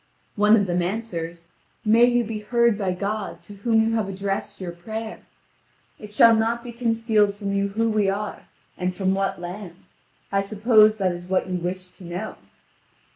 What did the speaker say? One of them answers: "May you be heard by God, to whom you have addressed your prayer. It shall not be concealed from you who we are, and from what land: I suppose that is what you wish to know."